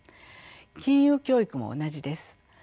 金融教育も同じです。